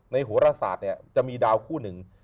โหรศาสตร์เนี่ยจะมีดาวคู่หนึ่ง